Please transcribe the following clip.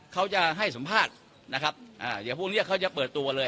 เขาจะให้สัมภาษณ์นะครับอ่าเดี๋ยวพรุ่งนี้เขาจะเปิดตัวเลย